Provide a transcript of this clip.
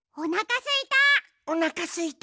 おなかすいた！